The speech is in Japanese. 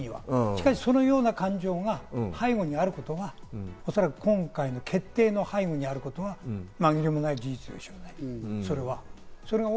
しかし、そのような感情が背後にあることは、おそらく今回の決定の背後にあることは紛れもない事実でしょうね、それは。